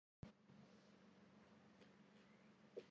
莫怀米相信魔兽世界和泰坦能在市场上共存。